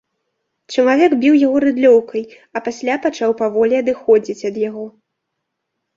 Чалавек біў яго рыдлёўкай, а пасля пачаў паволі адыходзіць ад яго.